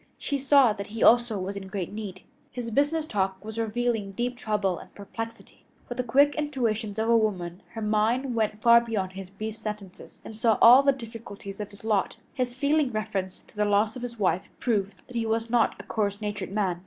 She saw that he also was in great need. His business talk was revealing deep trouble and perplexity. With the quick intuitions of a woman, her mind went far beyond his brief sentences and saw all the difficulties of his lot. His feeling reference to the loss of his wife proved that he was not a coarse natured man.